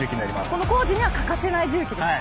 この工事には欠かせない重機ですか？